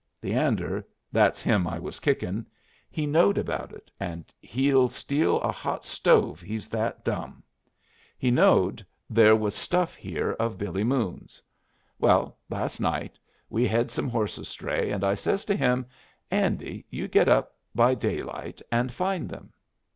Leander that's him I was kickin' he knowed about it, and he'll steal a hot stove he's that dumb. He knowed there was stuff here of Billy Moon's. Well, last night we hed some horses stray, and I says to him, 'Andy, you get up by daylight and find them.'